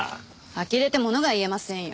あきれて物が言えませんよ。